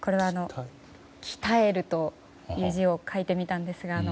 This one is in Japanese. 「鍛」という字を書いてみたんですが。